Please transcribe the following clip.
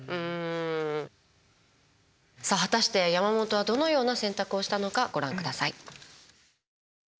さあ果たして山本はどのような選択をしたのかご覧ください。